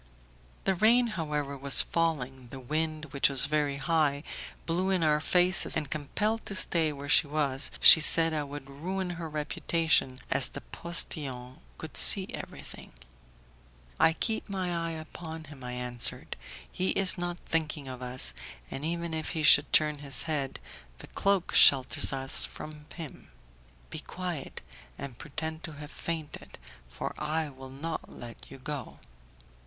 The rain, however, was falling, the wind, which was very high, blew in our faces, and, compelled to stay where she was, she said I would ruin her reputation, as the postillion could see everything. "I keep my eye upon him," I answered, "he is not thinking of us, and even if he should turn his head, the cloak shelters us from him. Be quiet, and pretend to have fainted, for I will not let you go."